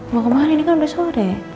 mau kemana ini kan udah sore